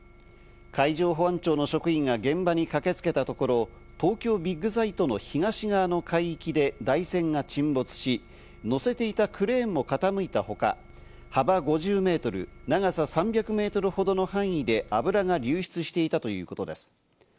海上保安庁の職員が現場に駆けつけたところ、東京ビッグサイトの東側の海域で台船が沈没し、載せていたクレーンも傾いたほか、幅５０メートル、長さ３００メートルほどの範囲で油が流出していたということです。